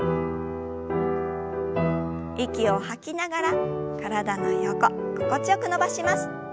息を吐きながら体の横心地よく伸ばします。